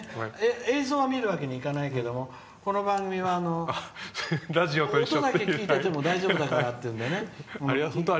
映像は見るわけにはいかないけどこの番組は音だけ聞いてても大丈夫だからっていうんで。